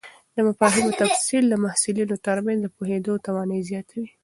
د مفاهیمو تفصیل د محصلینو تر منځ د پوهېدو توانایي زیاتوي.